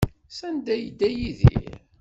Sanda ay yedda Yidir?